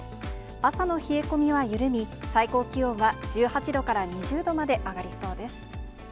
朝の冷え込みは緩み、最高気温は１８度から２０度まで上がりそうです。